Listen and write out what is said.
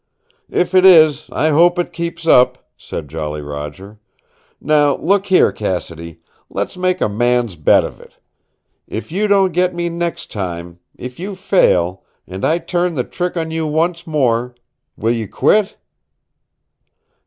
"If it is, I hope it keeps up," said Jolly Roger. "Now, look here, Cassidy! Let's make a man's bet of it. If you don't get me next time if you fail, and I turn the trick on you once more will you quit?"